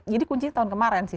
jadi kuncinya tahun kemarin sih